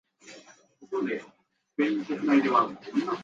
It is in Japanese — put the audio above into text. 我々は絶対矛盾的自己同一的世界の個物として、